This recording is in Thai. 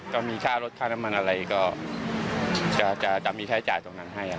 ก็มีค่ารถค่าน้ำมันอะไรก็จะมีใช้จ่ายตรงนั้นให้